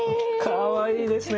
かわいいですね。